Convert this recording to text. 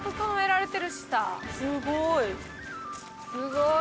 すごい。